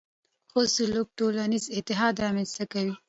ښه سلوک ټولنیز اتحاد رامنځته کوي.